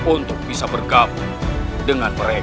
untuk bisa bergabung dengan mereka